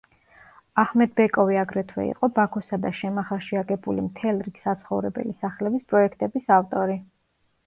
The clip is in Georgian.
აჰმედბეკოვი აგრეთვე იყო ბაქოსა და შემახაში აგებული მთელ რიგ საცხოვრებელი სახლების პროექტების ავტორი.